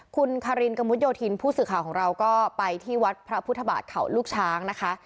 คุณคารินกระมุดโยธินผู้สื่อข่าวของเราก็ไปที่วัดพระพุทธบาทเขาลูกช้างนะคะ